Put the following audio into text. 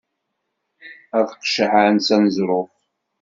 Ad t-qeccɛen s aneẓruf.